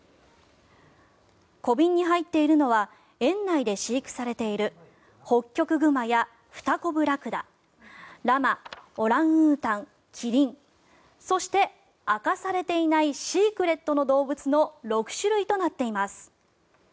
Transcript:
小瓶に入っているのは園内で飼育されているホッキョクグマやフタコブラクダラマ、オランウータン、キリンそして明かされていないシークレットの動物の６種類となっています。